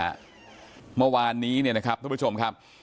การที่จับในแหบเมื่อวานนี้หน่อยนะฮะเมื่อวานนี้เนี่ยนะครับทุกผู้ชมครับ